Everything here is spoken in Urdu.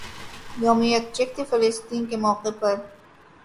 یوم یکجہتی فلسطین کے موقع پر